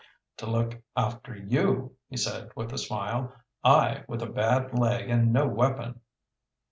"To look after you!" he said with a smile. "I, with a bad leg and no weapon!"